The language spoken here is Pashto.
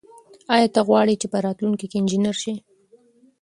آیا ته غواړې چې په راتلونکي کې انجنیر شې؟